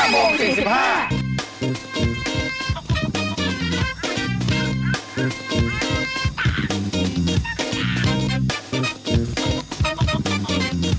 โมง๔๕